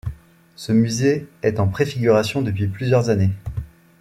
Ce musée est en préfiguration depuis plusieurs années.